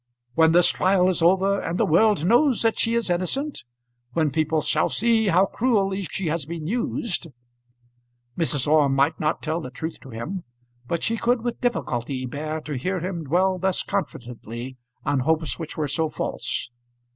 When this trial is over, and the world knows that she is innocent; when people shall see how cruelly she has been used " Mrs. Orme might not tell the truth to him, but she could with difficulty bear to hear him dwell thus confidently on hopes which were so false.